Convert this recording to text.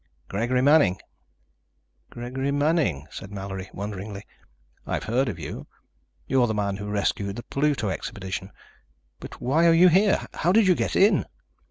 "Gregory Manning." "Gregory Manning," said Mallory wonderingly. "I've heard of you. You're the man who rescued the Pluto Expedition. But why are you here? How did you get in?"